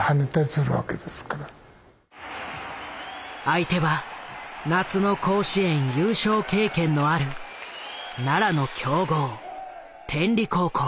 相手は夏の甲子園優勝経験のある奈良の強豪天理高校。